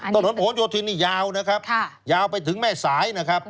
ถนนผลโยธินนี่ยาวนะครับยาวไปถึงแม่สายนะครับ